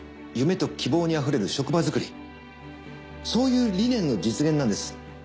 夢と希望に溢れる職場作りそういう理念の実現なんです。